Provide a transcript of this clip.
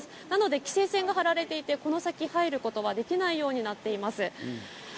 なので規制線が張られていて、この先に入ることはできないようになっています。